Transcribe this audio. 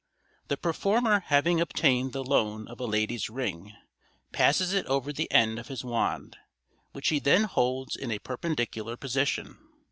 —The performer having obtained the loan of a lady's ring, passes it over the end of his wand, which he then holds in a perpendicular position.